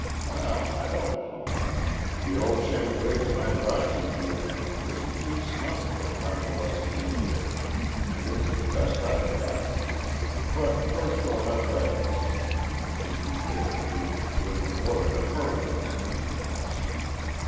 Well, I don't know. The old shandradan I brought you here in isn't too snug for a convalescing invalid, and it's the best I've got. But first we'll have breakfast." And he hailed Judy, with an order to hurry on that repast.